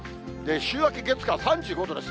週明け月、火、３５度です。